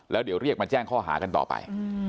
แล้วเดี๋ยวเรียกมาแจ้งข้อหากันต่อไป